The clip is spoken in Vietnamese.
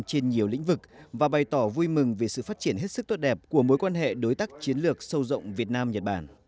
trên nhiều lĩnh vực và bày tỏ vui mừng về sự phát triển hết sức tốt đẹp của mối quan hệ đối tác chiến lược sâu rộng việt nam nhật bản